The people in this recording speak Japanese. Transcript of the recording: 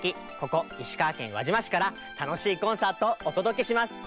ここ石川県輪島市からたのしいコンサートをおとどけします！